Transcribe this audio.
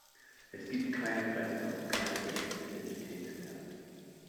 Es gibt keine Grenzen und keine echte Identität mehr“.